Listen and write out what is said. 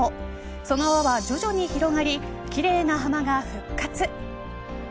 その輪は、徐々に広がり奇麗な浜が復活。